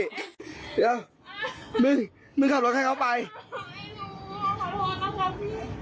เดี๋ยวมึงมึงขับรถใครเขาไปไม่รู้ขอโทษนะครับพี่